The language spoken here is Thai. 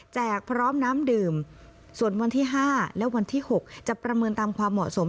พร้อมน้ำดื่มส่วนวันที่๕และวันที่๖จะประเมินตามความเหมาะสม